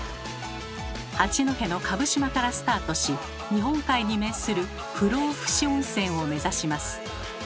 八戸の蕪島からスタートし日本海に面する不老ふ死温泉を目指します。